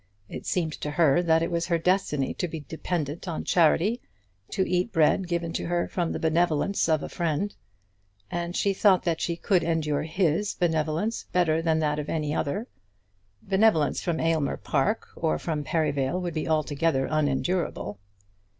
It seemed to her that it was her destiny to be dependent on charity, to eat bread given to her from the benevolence of a friend; and she thought that she could endure his benevolence better than that of any other. Benevolence from Aylmer Park or from Perivale would be altogether unendurable.